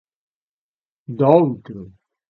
Do outro.